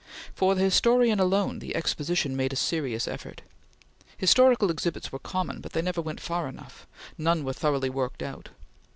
For the historian alone the Exposition made a serious effort. Historical exhibits were common, but they never went far enough; none were thoroughly worked out.